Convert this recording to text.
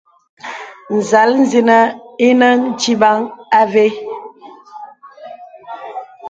Nzāl zənəŋ ìnə tibaŋ àvé.